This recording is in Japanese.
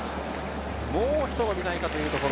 もうひと伸びないかというところ。